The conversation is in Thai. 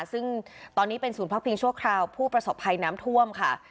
ซึ่งตอนนี้เป็นศูนย์พักพิงชั่วคราวผู้ประสบภัยน้ำท่วมค่ะ